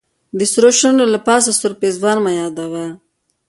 د سرو شونډو له پاسه سور پېزوان مه یادوه.